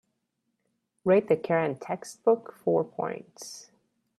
rate the current textbook four points